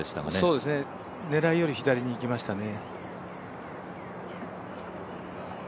そうですね、狙いより左に行きましたね。